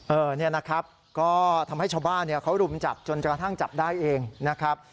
เนี่ยนะครับก็ทำให้ชาวบ้านเขารุมจับจนกระทั่งจับได้เองนะครับ